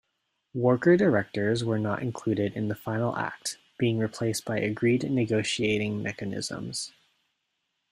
Worker-directors were not included in the final act, being replaced by agreed negotiating mechanisms.